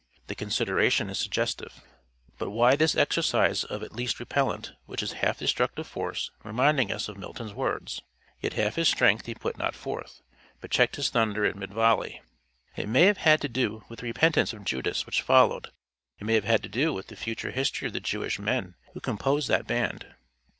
The consideration is suggestive. But why this exercise of at least repellent, which is half destructive force, reminding us of Milton's words Yet half his strength he put not forth, But checked His thunder in mid volley? It may have had to do with the repentance of Judas which followed. It may have had to do with the future history of the Jewish men who composed that band.